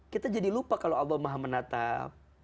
kita jadi lupa kalau allah maha menatap